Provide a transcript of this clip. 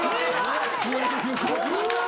うわ！